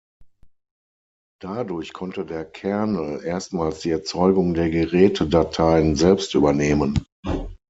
Dadurch konnte der Kernel erstmals die Erzeugung der Gerätedateien selbst übernehmen.